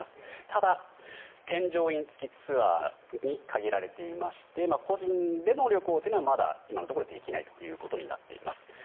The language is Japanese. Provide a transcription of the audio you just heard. ただ添乗員付きツアーに限られていまして個人での旅行というのはまだ今のところできないことになっています。